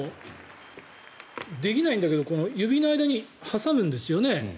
できないんだけど指の間に挟むんですよね？